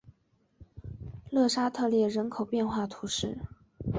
勒沙特列人口变化图示